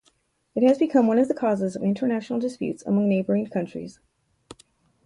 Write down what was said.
It has become one of the causes of international disputes among neighboring countries.